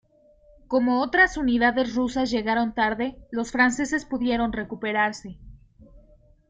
Como otras unidades rusas llegaron tarde, los franceses pudieron recuperarse.